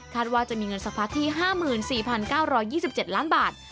ว่าจะมีเงินสะพัดที่๕๔๙๒๗ล้านบาท